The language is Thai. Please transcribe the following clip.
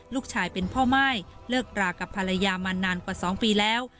ลูกชายเป็นพ่อม่ายเลิกรากับภรรยามานานกว่า๒ปีแล้ว